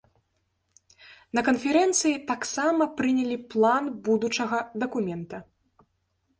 На канферэнцыі таксама прынялі план будучага дакумента.